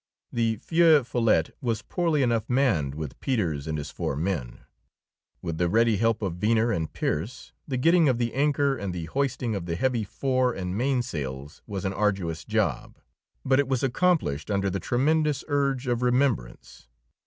The Feu Follette was poorly enough manned with Peters and his four men. With the ready help of Venner and Pearse the getting of the anchor and the hoisting of the heavy fore and main sails was an arduous job, but it was accomplished under the tremendous urge of remembrance.